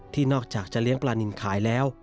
นอกจากจะเลี้ยงปลานินขายแล้ว